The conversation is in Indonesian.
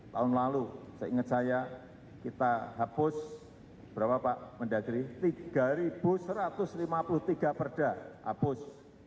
tahun lalu seingat saya kita hapus berapa pak mendagri tiga satu ratus lima puluh tiga perda hapus